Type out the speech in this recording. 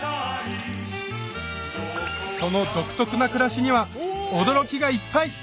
その独特な暮らしには驚きがいっぱい！